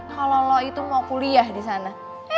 kalo lo itu mau kuliah disana